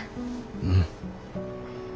うん。